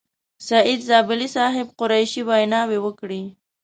سعید زابلي صاحب، قریشي ویناوې وکړې.